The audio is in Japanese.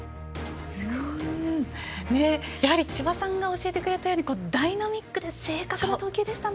千葉さんが教えてくれたようにダイナミックで正確な投球でしたね。